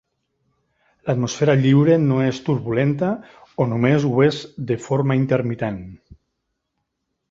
L'atmosfera lliure no és turbulenta o només ho és de forma intermitent.